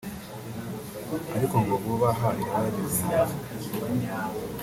ariko ngo vuba aha iraba yageze hanze